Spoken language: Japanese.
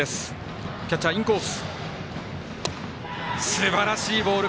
すばらしいボール。